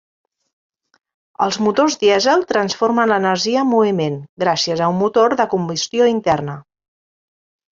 Els motors dièsel transformen l’energia en moviment, gràcies a un motor de combustió interna.